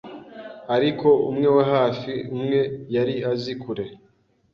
ariko umwe wa hafi umwe yari azi ukuri